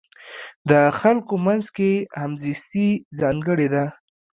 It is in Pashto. د خلکو منځ کې همزیستي ځانګړې ده.